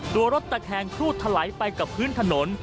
รถตะแคงครูดทะไหลไปกับพื้นถนน